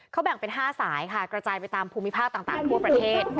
เขาแบ่งเป็น๕สายค่ะกระจายไปตามภูมิภาคต่างทั่วประเทศ